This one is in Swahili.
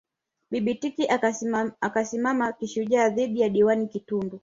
Bibi Titi akasimama kishujaa dhidi ya Diwani Kitundu